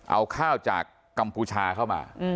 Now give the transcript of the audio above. เอาข้าวจากกัมพูชาเข้ามา